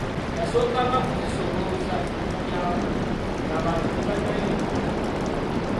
Yasookanga kuzisolooleza ku mulyango ng'abantu tebanayingira.